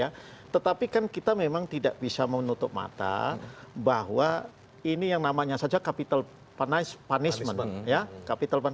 ya tetapi kan kita memang tidak bisa menutup mata bahwa ini yang namanya saja capital punishment